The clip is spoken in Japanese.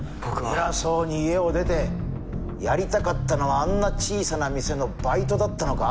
偉そうに家を出てやりたかったのはあんな小さな店のバイトだったのか？